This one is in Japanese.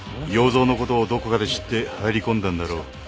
要造のことをどこかで知って入り込んだんだろう。